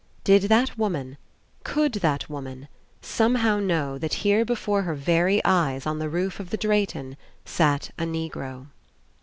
Did that woman, could that woman, somehow know that here before her very eyes on the roof of the Drayton sat a Negro?